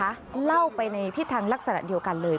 เล่าไปในทิศทางลักษณะเดียวกันเลย